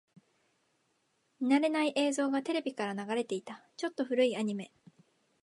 見慣れない映像がテレビから流れていた。ちょっと古いアニメ。